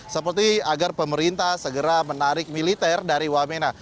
seperti agar pemerintah segera menarik militer dari wamena